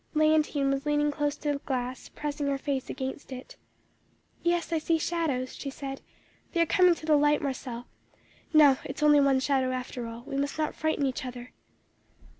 "Léontine was leaning close to the glass, pressing her face against it. "'Yes, I see shadows,' she said; 'they are coming to the light, Marcelle. No! it is only one shadow, after all; we must not frighten each other.'